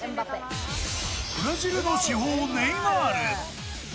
ブラジルの至宝、ネイマール。